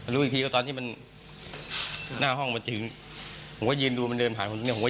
รู้อีกทีก็ตอนที่มันหน้าห้องมาจึงหัวยืนดูมันเดินผ่านหัวยืนตรงนั้น